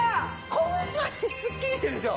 こんなにスッキリしてるんですよ。